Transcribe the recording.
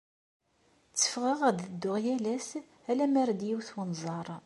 Tteffɣeɣ ad dduɣ yal ass, ala mi ara d-iwet unẓar.